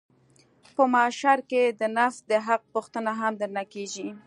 په محشر کښې د نفس د حق پوښتنه هم درنه کېږي.